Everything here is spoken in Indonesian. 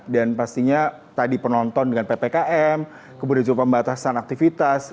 dan pastinya tadi penonton dengan ppkm kemudian juga pembatasan aktivitas